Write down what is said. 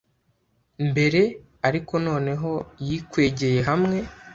mbere, ariko noneho yikwegeye hamwe.